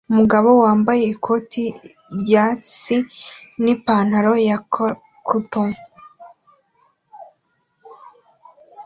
Umugabo wambaye ikoti ryatsi n ipantaro ya cotoon